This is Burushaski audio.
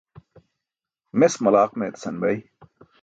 Mes malaaq meetasan bay.